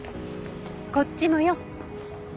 こっちもよ！